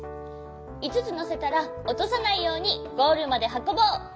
いつつのせたらおとさないようにゴールまではこぼう。